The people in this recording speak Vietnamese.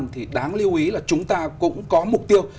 thì đáng lưu ý là chúng ta cũng có mục tiêu